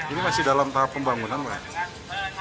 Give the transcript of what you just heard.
ini masih dalam tahap pembangunan pak